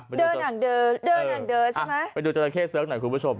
เดื่อนหากเดินเดี่ยนหกเดินใช่ไหมเอาให้ไปดูจัตราเค้เซิร์กหน่อยคุณผู้ชม